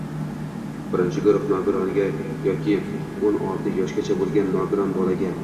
Birinchi guruh nogironiga yoki o'n olti yoshgacha bo‘lgan nogiron bolaga